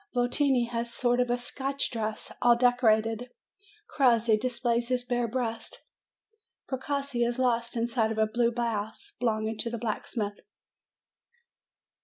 Votini has a sort of Scotch dress, all decorated ; Crossi displays his bare breast; Precossi is lost inside of a blue blouse belong ing to the blacksmith.